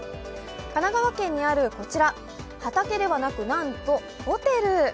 神奈川県にあるこちら、畑ではなくなんとホテル。